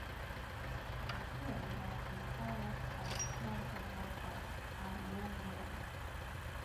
The film was inspired by the Toronto rock band A Neon Rome.